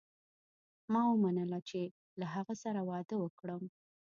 ما ومنله چې له هغه سره واده وکړم.